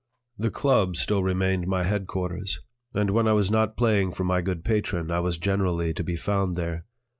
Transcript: The "Club" still remained my headquarters, and when I was not playing for my good patron, I was generally to be found there.